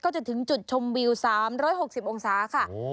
จะถึงจุดชมวิว๓๖๐องศาค่ะ